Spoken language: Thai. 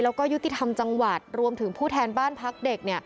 แล้วก็ยุติธรรมจังหวัดรวมถึงผู้แทนบ้านพักเด็ก